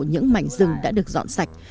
những mảnh rừng đã được dọn sạch